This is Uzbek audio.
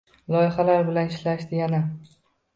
Loyihalar bilan ishlashdi yana.